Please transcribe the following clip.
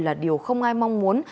là điều không ai mong muốn